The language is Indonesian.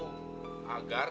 agar sementara itu